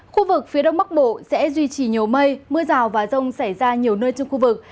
khu vực phía đông bắc bộ sẽ duy trì nhiều mây mưa rào và rông xảy ra nhiều nơi trong khu vực